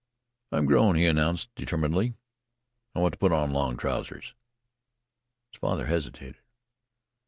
"I am grown," he announced determinedly. "I want to put on long trousers." His father hesitated.